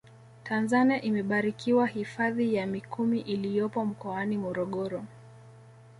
tanzania imebarikiwa hifadhi ya mikumi iliyopo mkoani morogoro